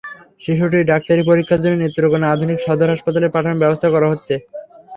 শিশুটির ডাক্তারি পরীক্ষার জন্য নেত্রকোনা আধুনিক সদর হাসপাতালে পাঠানোর ব্যবস্থা করা হচ্ছে।